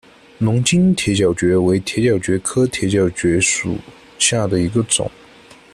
龙津铁角蕨为铁角蕨科铁角蕨属下的一个种。